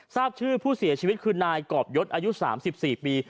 ทราบชื่อผู้เสียชีวิตคือนายกรอบยศอายุ๓๔ปี